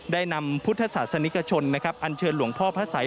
ได้นำพุทธศาสนิกชนอันเชิญหลวงพ่อพระสัย